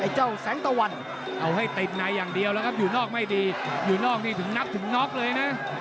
เจ้าแสงตะวันเอาให้ติดในอย่างเดียวแล้วครับอยู่นอกไม่ดีอยู่นอกนี่ถึงนับถึงน็อกเลยนะ